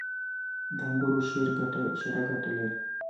• د انګورو شیره ګټه لري.